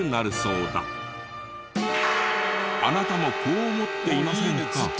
あなたもこう思っていませんか？